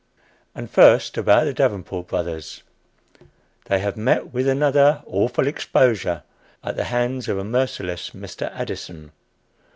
And first, about the Davenport Brothers; they have met with another "awful exposure," at the hands of a merciless Mr. Addison.